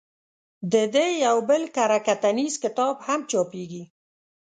د ده یو بل کره کتنیز کتاب هم چاپېږي.